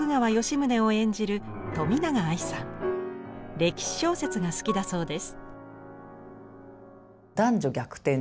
歴史小説が好きだそうです。